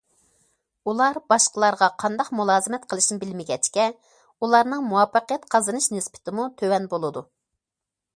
ئۇلار باشقىلارغا قانداق مۇلازىمەت قىلىشنى بىلمىگەچكە، ئۇلارنىڭ مۇۋەپپەقىيەت قازىنىش نىسبىتىمۇ تۆۋەن بولىدۇ.